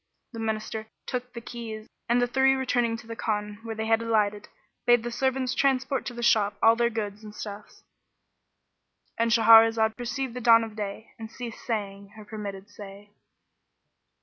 The Minister took the keys and the three returning to the Khan where they had alighted, bade the servants transport to the shop all their goods and stuffs.—And Shahrazad perceived the dawn of day and ceased saying her permitted say.